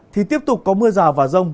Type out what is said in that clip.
thì tiếp tục có mưa rào và rông